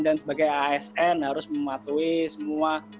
dan sebagai asn harus mematuhi semua